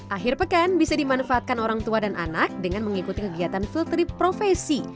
akhir pekan bisa dimanfaatkan orang tua dan anak dengan mengikuti kegiatan fill trip profesi